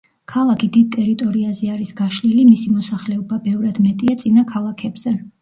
ქალაქი დიდ ტერიტორიაზე არის გაშლილი მისი მოსახლეობა ბევრად მეტია წინა ქალაქებზე.